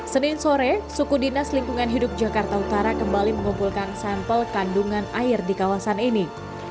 senin sore suku dinas lingkungan hidup jakarta utara kembali mengumpulkan sampel kandungan air di kawasan ini